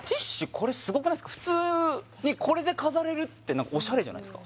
これすごくないですか普通にこれで飾れるってオシャレじゃないですか？